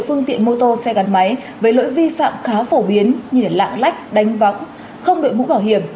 phương tiện mô tô xe gắn máy với lỗi vi phạm khá phổ biến như lạng lách đánh võng không đội mũ bảo hiểm